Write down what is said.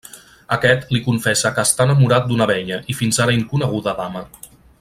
Aquest li confessa que està enamorat d'una bella, i fins ara inconeguda, dama.